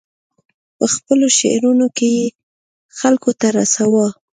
په خپلو شعرونو کې یې خلکو ته رساوه.